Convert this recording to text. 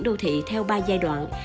đô thị theo ba giai đoạn